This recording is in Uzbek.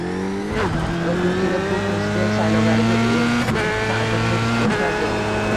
Bir kun kelib bu prezident saylovlariga o‘z ta’sirini o‘tkazdi.